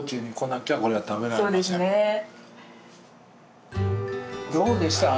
そうですね。